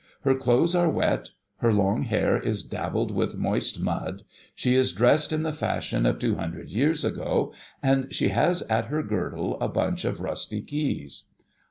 Her clothes are wet ; her long hair is dabbled with moist mud ; she is dressed in the fashion of two hundred years ago ; and she has at her girdle a bunch of rusty keys.